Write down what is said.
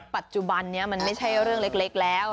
ปัจจุบันนี้มันไม่ใช่เรื่องเล็กแล้ว